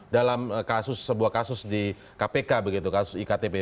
dalam kasus sebuah kasus di kpk begitu kasus iktp